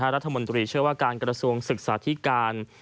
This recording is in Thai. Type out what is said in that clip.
รัฐมนตรีเชื่อว่าการกระทรวงศึกษาธิการ